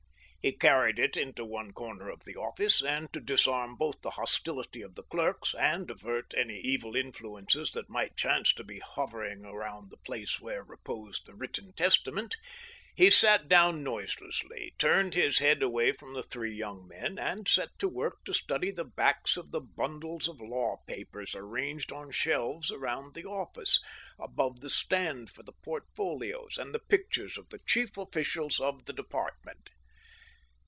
' He carried it into one comer of the office, and, to disarm both the hostility of the clerks and avert any evil influ ences that might chance to be hovering around the place where re posed the written testament, he sat down noiselessly, turned his head away from the three young men, and set to work to study the backs of the bundles of law papers arranged on shelves around the office, above the stand for the portfolios, and the pictures of the chief officials of the department.